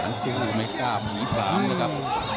อันตรีก็ไม่กล้าผู้หญิงผลามเลยครับ